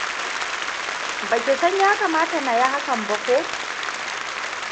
Ba ki san ya kamata na yi hakan ba ko?